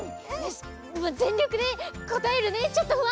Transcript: しぜんりょくでこたえるねちょっとふあんだけど！